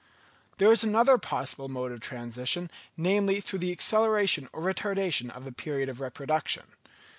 There is another possible mode of transition, namely, through the acceleration or retardation of the period of reproduction.